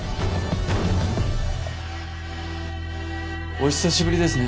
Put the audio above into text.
お久しぶりですね